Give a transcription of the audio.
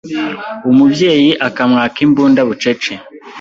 umubyeyi akamwaka imbunda bucece